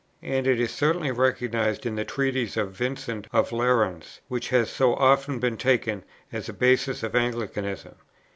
And it is certainly recognized in the Treatise of Vincent of Lerins, which has so often been taken as the basis of Anglicanism.